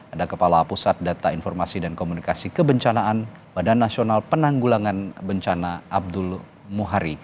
ada kepala pusat data informasi dan komunikasi kebencanaan badan nasional penanggulangan bencana abdul muhari